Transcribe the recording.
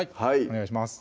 お願いします